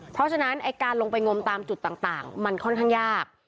เพราะฉะนั้นไอ้การลงไปงมตามจุดต่างมันค่อนข้างยาก